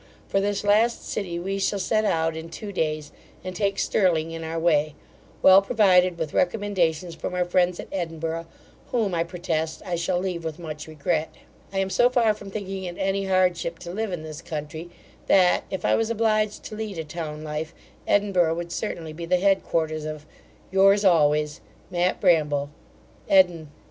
For this last city we shall set out in two days, and take Stirling in our way, well provided with recommendations from our friends at Edinburgh, whom, I protest, I shall leave with much regret. I am so far from thinking it any hardship to live in this country, that, if I was obliged to lead a town life, Edinburgh would certainly be the headquarters of Yours always, MATT. BRAMBLE EDIN.